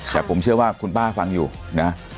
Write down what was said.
แต่ผมเชื่อว่าคุณป้าฟังอยู่นะ